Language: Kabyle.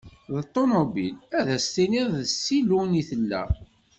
Di ṭunubil, ad as-tiniḍ di ssilun i tella.